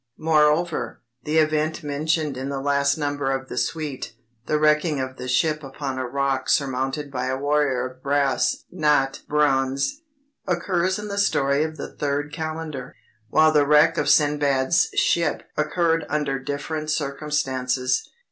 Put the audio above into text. Moreover, the event mentioned in the last number of the suite the wrecking of the ship upon a rock surmounted by a warrior of brass (not "bronze") occurs in the story of the third Kalendar, while the wreck of Sindbad's ship occurred under different circumstances.